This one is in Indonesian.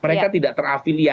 mereka tidak terafili